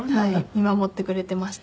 見守ってくれていました。